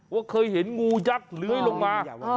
ว่าเคยเห็นงูยักษ์เลื้อยลงมา